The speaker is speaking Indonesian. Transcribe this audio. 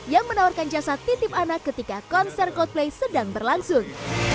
yang menawarkan jasa titip anak ketika konser coldplay sedang berlangsung